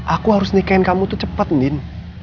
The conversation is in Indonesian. aku harus nikahin kamu tuh cepet nin